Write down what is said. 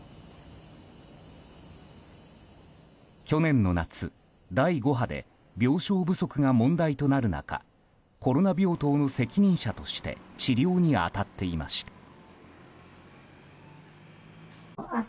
去年の夏、第５波で病床不足が問題となる中コロナ病棟の責任者として治療に当たっていました。